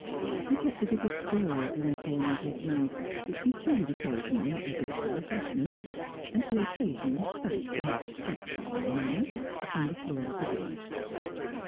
He kept a bit of straw at one corner of his mouth, which he chewed occasionally, as if for refreshment, and he occasionally spat, in a gentlemanly manner, upon the floor of the box.